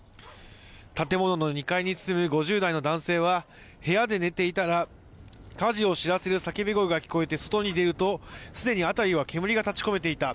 建物の２階に住む５０代の男性は、部屋で寝ていたら、火事を知らせる叫び声が聞こえて外に出ると、すでに辺りは煙が立ち込めていた。